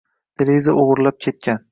televizor oʼgʼirlab ketgan